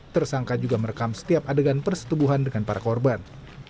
tersangka juga merekam setiap adegan persetubuhan dengan para korban